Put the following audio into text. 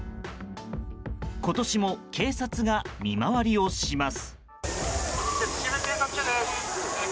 今年も警察が見回りをします。